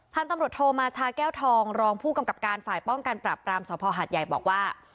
พันธุ์ตำรวจโทมาชาแก้วทองรองผู้กำกับการฝ่ายป้องกันปรับปรามสภหัดใหญ่บอกว่า